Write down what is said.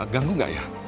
ganggu enggak ya